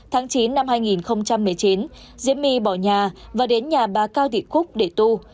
tháng chín năm hai nghìn một mươi chín diễm my bỏ nhà và đến nhà bà cao thị cúc để tu